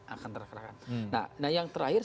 akan terserahkan nah yang terakhir